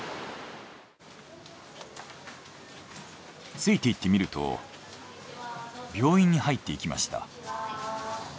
ついていってみると病院に入っていきました。